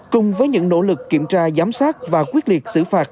cùng với những nỗ lực kiểm tra giám sát và quyết liệt xử phạt